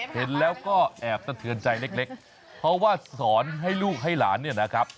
เห็นแล้วก็แอบสะเทือนใจเล็กเพราะว่าสอนให้ลูกให้หลานเนี่ยนะครับ